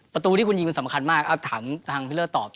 ประตูที่คุณยิงมันสำคัญมากถามทางพี่เลอร์ตอบ